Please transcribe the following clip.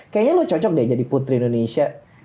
kayaknya lu cocok deh jadi putri indonesia